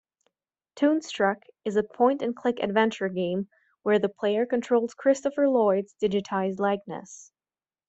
"Toonstruck" is a point-and-click adventure game where the player controls Christopher Lloyd's digitized likeness.